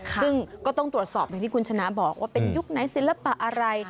ซึ่งก็ต้องตรวจสอบอย่างที่คุณชนะบอกว่าเป็นยุคไหนศิลปะอะไร